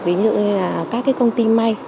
ví dụ như các công ty may